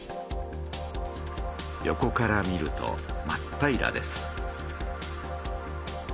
横から見るとまっ平らです。